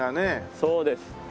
そうです。